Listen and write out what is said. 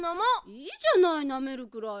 いいじゃないなめるぐらい。